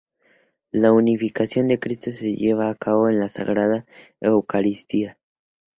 La unificación de Cristo se lleva a cabo en la Sagrada Eucaristía.